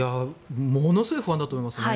ものすごい不安だと思いますね。